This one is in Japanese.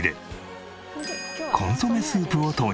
コンソメスープを投入。